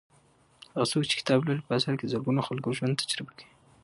هغه څوک چې کتاب لولي په اصل کې د زرګونو خلکو ژوند تجربه کوي.